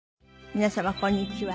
皆様こんにちは。